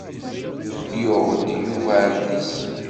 Yuɣ-d Yuba adlis.